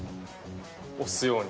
おすように。